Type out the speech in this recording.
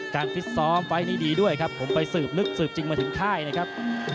ฟิตซ้อมไฟล์นี้ดีด้วยครับผมไปสืบนึกสืบจริงมาถึงค่ายนะครับ